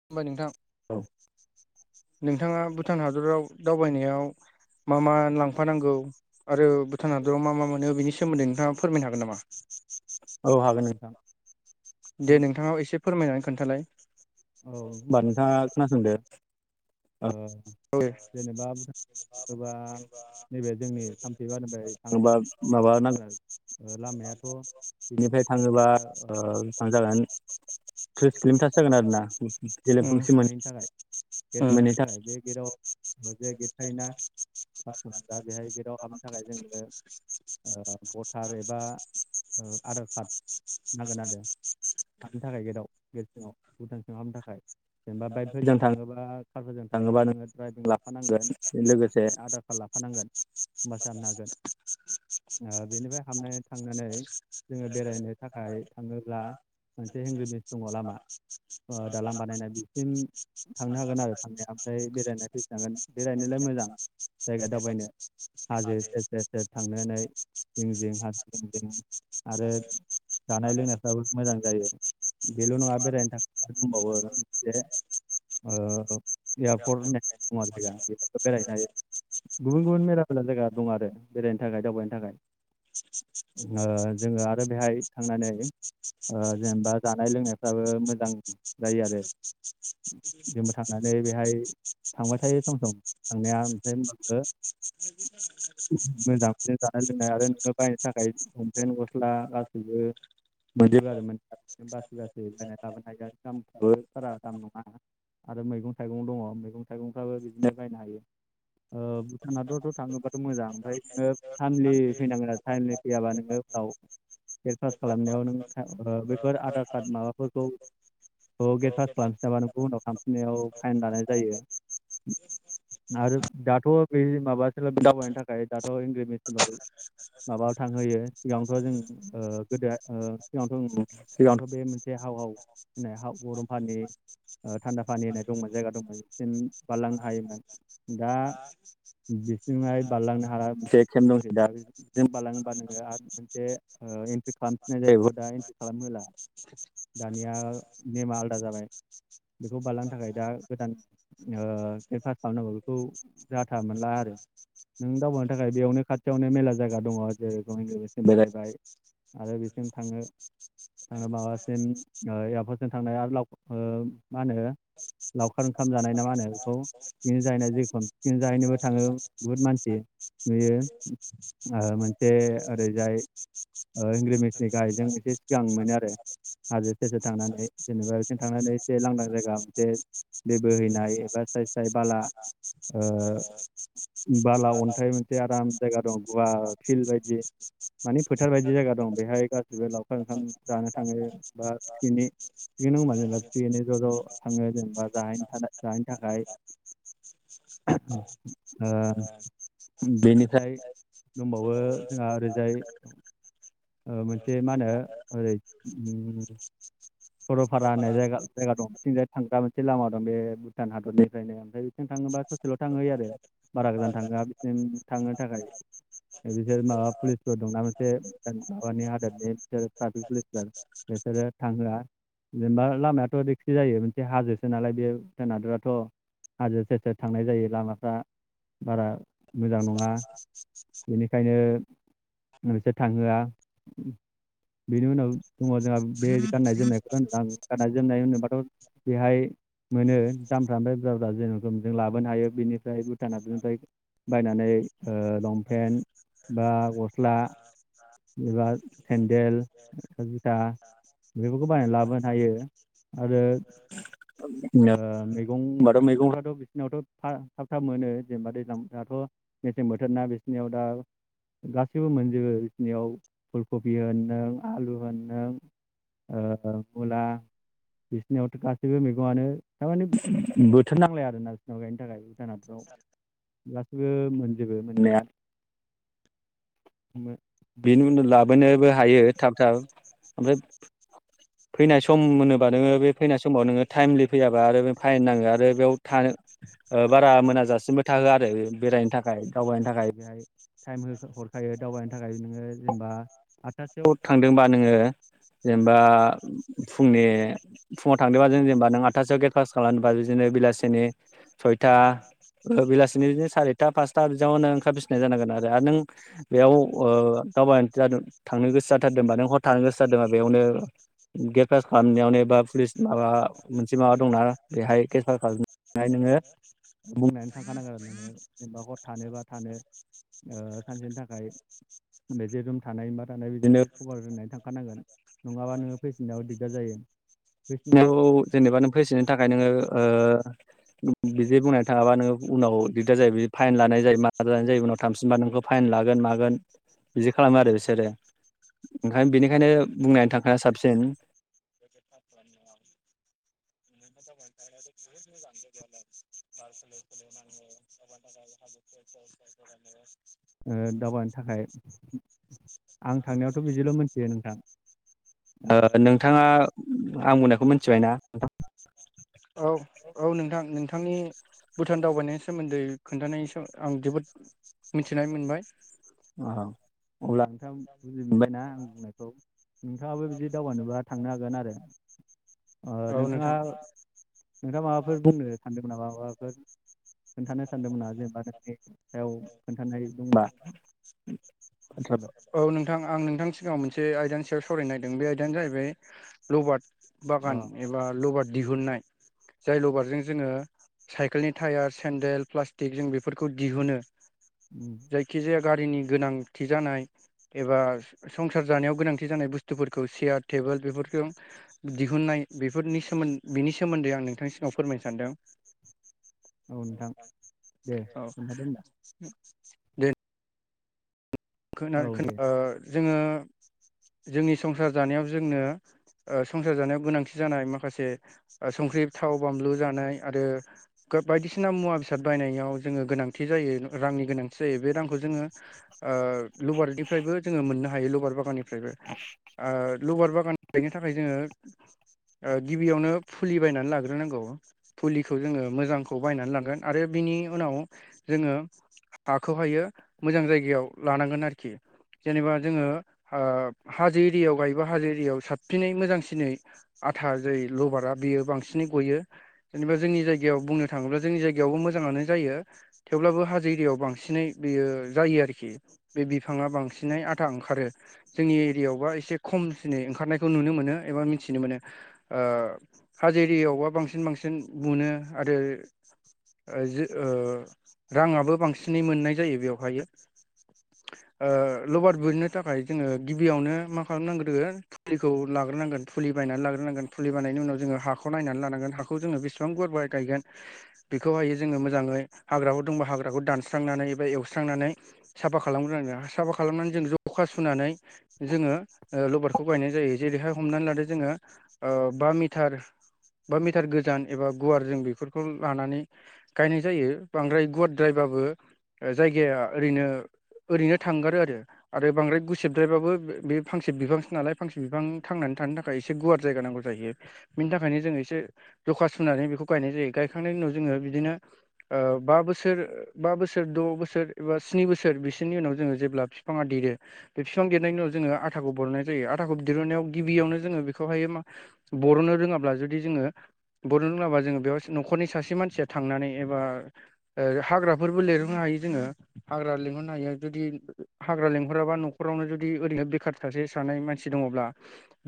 खुलुमबाय नोंथां नोंथाङा भुटान हादराव दावबायनायाव मा मा लांफानांगौ आरो भुटान हादराव मा मा मोनो बेनि सोमोन्दै नोंथाङा फोरमायनो हागोन नामा औ हागोन नोंथां दे नोंथाङा एसे फोरमायनानै खोन्थालाय औ होनोमबा नोंथाङा खोनासंदो ओ औ उम जेनेबा सोरबा नैबे जोंनि थामफैबारिनिफ्राय थाङोबा माबा नांगोन लामा लामायाथ बिनिफ्राय थाङोबा बेसेबां जागोन थ्रिस किल'मिटार जागोन आरो ना उम गेलेमफुंसिम मोनैनि थाखाय गेट मोनैनि थाखाय बे गेटआव मोन जे गेट थायोना। पास दा बेहाय गेटआव हाबनो थाखाय जोङाना भटार एबा आधार कार्ड नांगोन आरो। हाबनो थाखाय गेटआव गेट सिङाव भुटान सिङाव हाबनो थाखाय जेनेबा बाइकफोरजों थाङोबा। सारफोरजों थाङोबा नोङो दड्राइभिं लाफानांगोन बे लोगोसे आधार कार्ड लाफानांगोन। होम जानो हागोन। बेनिफ्राय हाबनानै थांनानै जोङो बेरायनो थाखाय थाङोब्ला। मोनसे हेंग्रिमेस दङ लामा। [inaudible] दालां बानायनाय बिसिम। थांनो हागोन आरो थांनाया ओमफ्राय बेरायनाय फैफिनागोन बेरायनोलाय मोजां। जायगा दावबायनो हाजो एरसेसेेर थांनानै जिों जेंहा जों आरो जानाय लोंनायफ्राबो मोजां जायो बेल' नङा बेरायनो थाखाय। दबाब आ ने बे बेराय गुबुन गुबुन मेरला मेला जायगा दं आरो बेरायनो थाखाय दावबायनो थाखाय। [inaudible] जेनेबा जानाय लोंनायफ्राबो मोजां। [unintelligible] [unintelligible] मोजांखौनो जानाय लोंनाय आरो नोङो बायनो थाखाय। हमपेन गस्ला गासैबो मोजैबार मोनथि बासै गासै बायना लाबोनो हायो आरो। दाम बफोराारा दाम नङा। आरो मैगं थाइगं दङ मैगं थाइगंफ्राबो बिदिनो बायनो हायो। भुटानाथ'थ' थाङोबाथ' मोजां ओमफ्राय नोङो थटाइमलि फैनांगोन आरो थटाइमलि। फैयाबा नोङो उनाव टेस फास खालामनायाव नों बेफोर आधार कार्ड माबाफोरखौ थ गेट फास् खालामफिनाबा नों गुब उनाव खालामांफिननायाव फाइन लानाय जायो। आरो दाथ' बे माबासोल' दावबायनो थाखाय दाथ' इंसिल। माबायाव थांहोयो सिगांथ' जों गोदो सिगाङावथ। सिगांथ' बे मोनसे हावाव होननाय गरमफानि। थान्दा फानि होनाय दंमोन जायगा दंमोनांसिन बारलांनो हायोमोन दा। बिसिहाय बारलांनो हाला मोनसे केम्प दंसै दा जों बारलांबा नोङो आरो। मोनसे एन्ट्रि खालामफिननाय जाहैबाय दा एन्ट्रि खालामोला दानिया। नेमा आलादा जाबाय बेखौ बारलांनो थाखाय दा गोदान। केेम पास खालामनांगौ बेखौ जाथा मोनला आरो। नों दावबावनो थाखाय बेयावनो खाथियावनो मेला जायगा दङ जेरै गसिम बेरायबाय। आरो बेसिम थाङो थांनो माबासिम ए जों थांनाय आरो लाव मा होनो लावखार ओंखाम जानाय ना मा होनो बेखौ। सिं जाहैनाय जेखम सिं जाहैनोबो थाङो बुहुत मानसि। [inaudible] मोनसे ओरैजाय सिस इंग्रिमिसनि गायजों एसे सिगां मोनो आरो हाजो सेरसे थांनानै। जेनेबा बिथिं थांनानै एसे लांदां जायगा मोनसे दै बोहैनाय एबा साय साय बाला [unintelligible] बाला अन्थाइ मोनसे आराम जायगा दं गुवा फिल्ड बायदि। मानिे फोथार बायदि जायगा दं बेहाय गासिबो लावखार ओंखाम जानो थाङो बा सिनि फिगैनो ह होनबा जेनेबा फिगयैनो ज' ज' थाङो जेनेबा जाहैनि थाखाय। ओ बेनिफ्राय दंबावो जोंहा ओरैजाय ओ मोनसे मा होनो ओरै उम सरलफारा होननाय जायगा जायगा दं बिथिंजाय थांग्रा मोनसे लामा दं बे भुटान हादरनिफ्रायनो ओमफ्राय थिं थाङोबा ससेल' थांहोयो आरो बारा गोजान थाङोआ बिसिम थांनो थाखाय बिसोर माबा पुलिसफोर दंना मोनसे माबानि हादोरनि बिसोर ट्राफिक पुलिसफोर बिसोरो थांहोआ जेनेबा लामायाथ' रिक्सि जायो मोनसे हाजोसो नालाय बे जोनादराथ' हाजो सेर सेर थांनाय जायो लामाफ्रा बारा मोजां नङा बेनिखायनो मोनसोर थांहोआ बेनि उनाव दङ जोंहा बे गाननाय जोमनाय गाननाय जोमनाय होनोबाथ' बेहाय मोनो दामफ्रा ओमफ्राय बुरजा बुरजा जेन'खम जों लाबोनो हायो बेनिफ्राय भुटाना बिनिफ्राय बायनानै ओ लंपेन बा गस्ला एबा सेन्देल जुथा बेफोरखौ बायनानै लाबोनो हायो आरो ओ मैगं होनबाथ' मैगंफ्राथ' बिसोरनावथ' थाब थाब मोनो जेनेबा दैज्लां दाथ' मेसें बोथोर ना बिसोरनियाव दा गासैबो मोनजोबो नियाव फुल कबि होन नों आलु होन नों ओ मुला बिसोरनियावथ' गासैबो मैगंआनो थारमाने बोथोर नांलाया आरो बगसोरनाव गायनो थाखाय भुटानफ्राव गासैबो मोनजोबो मोननाया बेनि उनाव लाबोनोबो हायो थाब थाब ओमफ्राय फैनाय सम होनोबा नोङो बे फैनाय समाव नोङो टाइमलि फैयाबा आरो फाइन नाङो आरो बेयाव थानो बारा मोनाजासिमबो थाहोआ आरो बेरायनो थाखाय दावबायनो थाखाय बेहाय टाइम हरखायो दावबायनो थाखाय नोङो जेनेबा आठथासोआव थांदोंबा नोङो जेनेबा फुंनि फुङाव थांदोंबा जों जेनेबा नों आटथासोआव गेट फास खालामोबा बिदिनो बेलासिनि सयथा बेलासिनि बिदिनो सारिथा पासथा बिदियावनो ओंखार फसिनाय जानांगोन आरो आरो नों बेयाव ओ दावबायनो जादों थांनो गोसो जाथारदोंबा नों हर थांनो गोसो जादोंबा बेयावनो गेद फास खालामनायावनो एबा पुलिस माबा मोनसे माबा दंना बेहाय केसफार खालाम नाय नोङो बुंनानै थांखानांगोन आरो नोङो जेनेबा हर थानो बा थानो ओ सानसेनि थाखाय जे रुम थानाय मा थानाय बिदिनो खबर होननानै थांखानांगोन नङाबा नोङो फैसिननायाव दिग्दार जायो फैसिनायाव जेनेबा नों फैफाननो थाखाय नोङो बिदि बुंनो थाङाबा नोङो उनाव दिगदार जायो बिदि फाइन लानाय जायो मा लानाय जायो उनाव थांफिनबा नोंखौ फाइन लागोन मागोन बिदि खालामो आरो बिसोरो ओंखायनो बेनिखायनो बुंनानै थांखानाया साबसिन [inaudible] [inaudible] [unintelligible] [unintelligible] ओ दावबायनो थाखाय आं थांनायावथ' बिदिल' मिथियो नोंथां ओ नोंथाङा आं बुंनायखौ मिथिबायना नोंथां औ औ नोंथां नोंथांनि भुटान दावबायनायनि सोमोन्दै खोन्थानाय आं जोबोद मिथिनाय मोनबाय औ अब्ला नोंथां बुजि मोनबायना आं बुंनायखौ नोंथाङाबो बिदि दावबायनोबा थांनो हागोन आरो औ नोंथाङा नोंथां नोंथाङा माबाफोर बुंनो सानदोंमोन नामा माबाफोर खोन्थानो सानदोंमोन नामा जेनेबा नोंनि सायाव खोन्थानाय दंबा [unintelligible] औ नोंथां आं नोंथांनि सिगाङाव मोनसे आयदानि सायाव सावरायनोनायागिरदों। बे आयदायानो जाहैबाय लबाद बागान एबा लबाद दिहुननाय जाय लबारजों जोङो साइकेलनि टायार सेन्देल प्लास्टिक जों बेफोरखौ दिहुनो उम जायखिजाया गारिनि गोनांथि जानाय एबा संसार जानायाव गोनांथि जानाय बुस्थुफोरखौ सियाद टेबोल बेफोरफोरखौ दिहुननाय बेफोरनि सोमद बिनि सोमोन्दै आं नोंथांनि सिगाव फोरमायनो सानदों। औ नोंथां दे औ खोन्थादो होमबा। [inaudible] [unintelligible] ओ जोङो जोंनि संसार जानायाव जोंनो ओ संसार जानायाव गोनांथि जानाय माखासे ओ संख्रि थाव बामब्लु जानाय आरो गा बायदिसिना मुवा बेसाद बायनायाव जोङो गोनांथि जायो रांनि गोनांथि जायो बे रांखौ जोङो [inaudible] ओ लबारनिफ्रायबो जोङो मोननो हायो लबार बागाननिफ्रायबो आ लबार बागान गायनो थाखाय जोङो ओ गिबियावनो फुलि बायनानै लाग्रोनांगौ। फुलिखौ जोङो मोजांखौ बायनानै लांगोन आरो बिनि उनाव जोङो हाखौहायो मोजां जायगायाव लानांगोन आरोखि। जेनेबा जोङो ओ हाजो एरियायाव गायोबा हाजो एरियायाव साबसिनै मोजांसिनै आथा जै लबारा बेयो बांसिनै गयो। जेनेबा जोंनि जायगायाव बुंनो थाङोब्ला जोंनि जायगायावबो मोजाङानो जायो। थेवब्लाबो हाजो एरियाव बांसिनै बियो जायो आरोखि। बे बिफाङा बांसिनै आथा ओंखारो। जोंनि एरियायावबा एसे खमसिनै ओंखारनायखौ नुनो मोनो एबा मिथिनो मोनो। ओ हाजो एरियावबा बांसिन बांसिन बुनो आरो ओ जो ओ राङाबो बांसिनै मोननाय जायो बेवहायो। ओ लबार बुहैनो थाखाय जोङो गिबियावनो मा खालाम नांग्रोगोन फुलिखौ लाग्रोनांगोन फुलि बायनानै लाग्रोनांगोन फुलि बालायनि उनाव जोङो हाखौ नायनानै लानांगोन। हाखौ जोङो बेसेबां गुवार बाय गायगोन। बेखौहायो जोङो मोजाङै हाग्राफोर दंबा हाग्राखौ दानस्रांनानै एबा एवस्रांनानै साफा खालामग्रोनाङो। साफा खालामनानै जों जखा सुनानै जोङो ओ लबारखौ गायनाय जायो जेरैहाय हमनानै लादो जोङो ओ बा मिटार बा मिटार गोजान एबा गुवार जों बेफोरखौ लानानै गायनाय जायो बांद्राय गुवारद्रायबाबो ओ जायगाया ओरैनो ओरैनो थांगारो आरो। आरो बांद्राय गुसेबद्रायबाबो बे फांसे बिफांसो नालाय फांसे बिफां थांनानै थानो था खाय एसे गुवार जायगा नांगौ जाहैयो। बिनि थाखायनो जों एसे जखा सुनानै बेखौ गायनाय जायो गायखांनायनि उनाव जोङो बिदिनो ओ बा बोसोर बा बोसोर द' बोसोर एबा स्नि बोस सोर बिसिनि उनाव जोङो जेब्ला फिफाङा देरो बे बिफां देरनायनि उनाव जोङो आथाखौ बरनाय जायो। आथाखौ दिरुनायाव गिबियावनो जोङो बेखौहायो मा बर'नो रोङाब्ला जुदि जोङो बर' रोंलाबा जोङो बेयाव न'खरनि सासे मानसिया थांनानै एबा ओ हाग्राफोरबो लिरोंनो हायो जोङो हाग्रा लिं हरनो हियो जुदि हाग्रा लेंहराबा न'खरावनो जुदि ओरैनो बेखार सासे सानै मानसि दङब्ला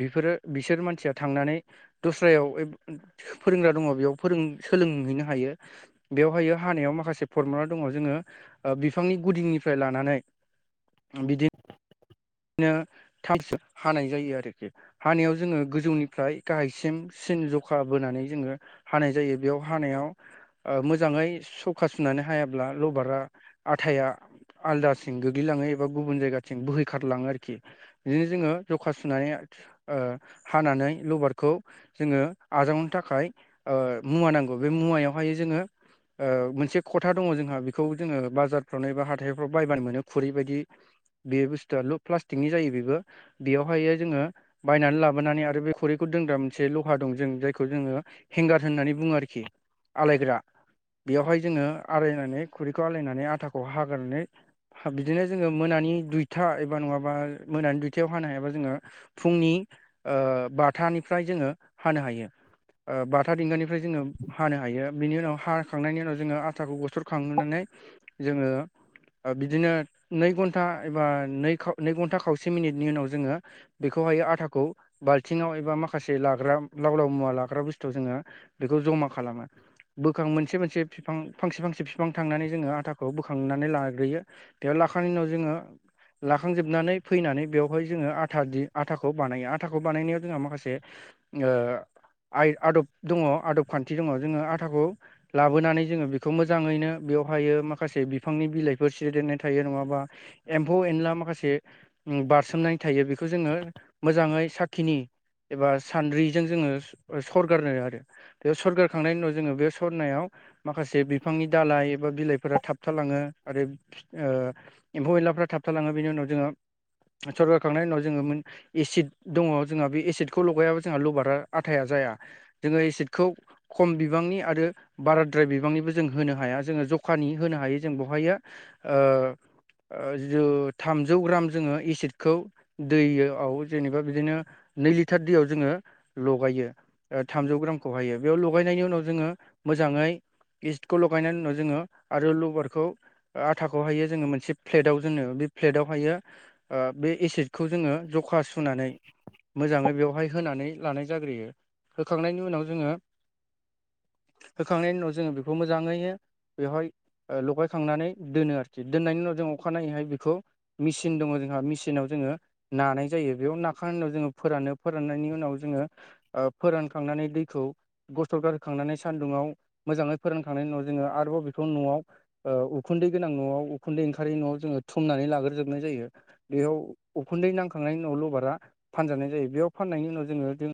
बिफोरो बिसोर मानसिया थांनानै दस्रायाव एब फोरोंग्रा दङ बेयाव फोरों सोलोंहैनो हायो। बेव हायो हानायाव माखासे फरमुला दङ जोङो ओ बिफांनि गुदिनि फ्राय लानानै बिदि नो थामस हानाय जायो आरोखि। हानायाव जोङो गोजौनिफ्राय गाहायसिम सिन जखा बोनानै जोङो हानाय जायो बेयाव हानायाव। ओ मोजाङै सौखा सुनानै हायाब्ला लबारा आथाया। आलदासिं गोग्लैलाङो एबा गुबुन जायगाथिं बोहैखारलाङो आरोखि। बिदिनो जोङो जखा सुनानै ओ हानानै लबारखौ। जोङो आजावनो थाखाय ओ मुवा नांगौ बे मुवायावहाय जोङो। ओ मोनसे खथा दङ जोंहा बेखौ जोङो बाजारफ्रावनो एबा हाथाइफ्राव बायबानो मोनो खुरै बायदि। बे बुस्थुआ लु प्लास्टिकनि जायो बेबो। बियावहायो जोङो बायनानै लाबोनानै आरो बे खुरैखौ दोनग्रा मोनसे लहा दं। जों जायखौ जोङो। हेंगार होननानै बुङो आरोखि आलायग्रा बेयावहाय जोङो आरायनानै खुरैखौ आलायनानै आथाखौ हाग्रोनानै। बिदिनो जोङो मोनानि दुइथा एबा नङाबा मोनानि दुइथायाव हानो हायाबा जोङो। फुंनि ओ बाथानिफ्राय जोङो हानो हायो। ओ बाथा दिंगानिफ्राय जोङो हानो हायो। बिनि उनाव हा खांनायनि उनाव जोङो आथाखौ गसर खांहोनानै जोङो ओ बिदिनो नै घन्टा। एबा नै नै घन्टा खावसे मिनिटनि उनाव जोङो। बेखौहायो आथाखौ बाल्थिङाव एबा माखासे लाग्रा लाव लाव मुवा लाग्रा बुस्थुआव जोङो। बेखौ जमा खालामो। बोखां मोनसे मोनसे बिफां फांसे फांसे बिफां थांनानै जोङो आथाखौ बोखांनानै लाग्रोयो। इयाव लाखानि उनाव जोङो। लाखांजोबनानै फैनानै बेवहाय जोङो आथा दि आथाखौ बानायो आटाखौ बानायनायाव जोंहा माखासे। आइ आदब दङ आदब खान्थि दङ जोङो आथाखौ। लाबोनानै जोङो बिखौ मोजाङैनो बियावहायो माखासे बिफांनि बिलाइफोर सिरिदेरनाय थायो नङाबा? एम्फौ एनला माखासे उम बारसोमनानै थायो बेखौ जोङो। मोजाङै साखिनि एबा सान्द्रिजों जोङो सरगारनो आरो। बेयाव सरखारारखांनायनि उनाव जोङो बे सरनायाव माखासे बिफांनि दालइ एबा बिलाइफोरा थाबथालाङो आरो ओ एम्फौ एनला फ्रा थाबथालाङो बेनि उनाव जोङो सरगार खांनायनि उनाव जोङो मोन एसिद दङ जोंहा बे एसिडखौ लगायाबो जोंहा लभारा आथाया जाया जोङो एसिडखौ। खम बिबांनि आरो। बाराद्राय बिबांनिबो जों होनो हाया जोङो जखानि होनो हायो जों बेहायो जि थामजौ ग्राम जोङो एसिडखौ। दैयाव जेनेबा बिदिनो नै लिटार दैयाव जोङो लगायो। थामजौ ग्रामखौहायो बेयाव लगायनायनि उनाव जोङो मोजाङै। इस्टखौ लगायनायनि उनाव जोङो आरो लबारखौ आथाखौहायो जोङो मोनसे। फ्लेटाव जोङो बे फ्लेटावहायो बे एसिदखौ जोङो जखा सुनानै। मोजाङै बेवहाय होनानै लानाय जाग्रोयो होखांनायनि उनाव जोङो। होखांनायनि उनाव जोङो बेखौ मोजाङैनो बेवहाय लगायखांनानै दोनो आरोखि दोननायनि उनाव जों अखानायैहाय बेखौ। मेसिन दङ जोंहा मेसिनाव जोङो। नानाय जायो बेयाव नाखां उनाव जोङो फोरानो फोराननायनि उनाव जोङो। फोरानखांनानै दैखौ। गसर गारखांनानै सान्दुंङआव मोजाङै फोरानखांनायनि उनाव जोङो आरोबाव बेखौ न'आव। उखुन्दै गोनां न'आव उखुन्दै ओंखारै न'आव जोङो थुमनानै लाग्रोजोबनाय जायो। बेयाव उखुन्दै नांखांनायनि उनाव लबारा फानजानाय जायो बेयाव फाननायनि उनाव जोङो।